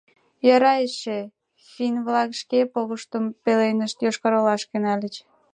Йӧра эше, финн-влак шке погыштым пеленышт Йошкар-Олашке нальыч.